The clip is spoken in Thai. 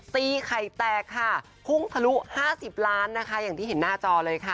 ตีไข่แตกค่ะพุ่งทะลุ๕๐ล้านนะคะอย่างที่เห็นหน้าจอเลยค่ะ